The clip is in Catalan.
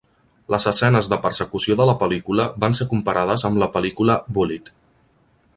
Les escenes de persecució de la pel·lícula van ser comparades amb la pel·lícula "Bullitt".